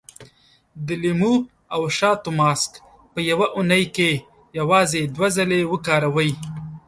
د لیمو او شاتو ماسک په يوه اونۍ کې یوازې دوه ځلې وکاروئ.